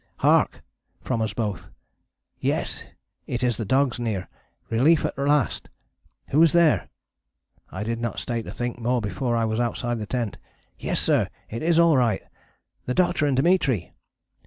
"Hark!" from us both. "Yes, it is the dogs near. Relief at last. Who is there?" I did not stay to think more before I was outside the tent. "Yes, sir, it is alright." The Doctor and Dimitri.